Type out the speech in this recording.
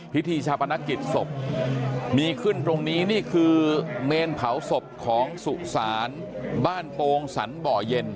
พิธีชาปนกิจศพมีขึ้นตรงนี้นี่คือเมนเผาศพของสุสานบ้านโปงสรรบ่อเย็น